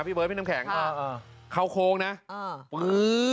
พี่เบิร์ดพี่น้ำแข็งค่ะเอ่อเอ่อเข้าโค้งน่ะเอ่อ